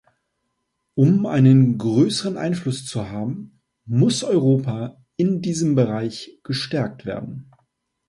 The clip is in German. Um einen größeren Einfluss zu haben, muss Europa in diesem Bereich gestärkt werden.